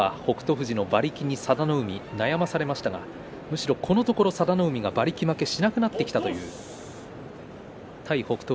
富士の馬力に佐田の海が悩まされましたがむしろ、このところ佐田の海が馬力負けしなくなってきたという対北勝